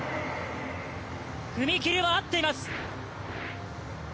踏み切りは合っています！